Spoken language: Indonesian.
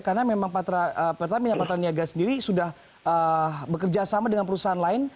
karena memang pertamina patraniaga sendiri sudah bekerja sama dengan perusahaan lain